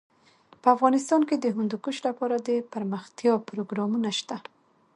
افغانستان کې د هندوکش لپاره دپرمختیا پروګرامونه شته.